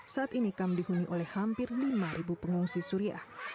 saat ini kam dihuni oleh hampir lima pengungsi suriah